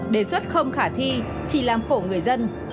đề xuất không khả thi chỉ làm khổ người dân